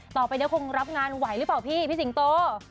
ต่อไปเนี่ยคงรับงานไหวหรือเปล่าพี่พี่สิงโต